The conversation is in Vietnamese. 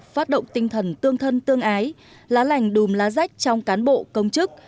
phát động tinh thần tương thân tương ái lá lành đùm lá rách trong cán bộ công chức